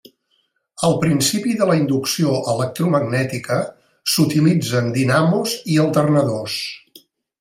El principi de la inducció electromagnètica s'utilitza en dinamos i alternadors.